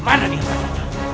parti dia belum jauh dari sini